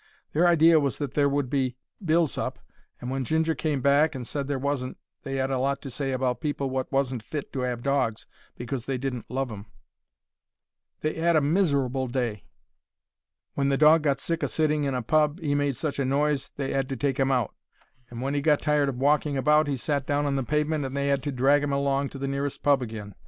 Their idea was that there would be bills up, and when Ginger came back and said there wasn't, they 'ad a lot to say about people wot wasn't fit to 'ave dogs because they didn't love 'em. They 'ad a miserable day. When the dog got sick o' sitting in a pub 'e made such a noise they 'ad to take 'im out; and when 'e got tired o' walking about he sat down on the pavement and they 'ad to drag 'im along to the nearest pub agin.